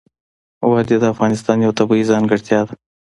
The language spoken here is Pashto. وادي د افغانستان یوه طبیعي ځانګړتیا ده.